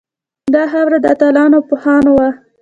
دا خاوره د اتلانو او پوهانو وه